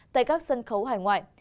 tại các sân khấu hải ngoại